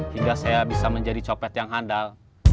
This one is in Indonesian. hingga saya bisa menjadi copet yang handal